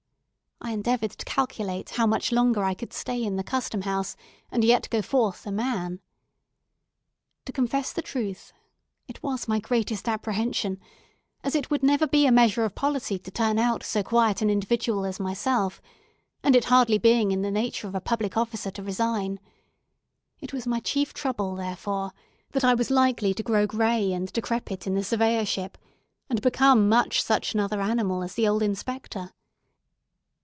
I endeavoured to calculate how much longer I could stay in the Custom House, and yet go forth a man. To confess the truth, it was my greatest apprehension—as it would never be a measure of policy to turn out so quiet an individual as myself; and it being hardly in the nature of a public officer to resign—it was my chief trouble, therefore, that I was likely to grow grey and decrepit in the Surveyorship, and become much such another animal as the old Inspector.